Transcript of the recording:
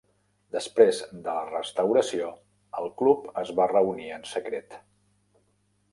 Després de la restauració, el club es va reunir en secret.